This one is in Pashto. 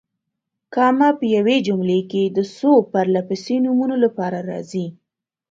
کامه په یوې جملې کې د څو پرله پسې نومونو لپاره راځي.